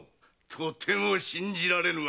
とても信じられぬわ。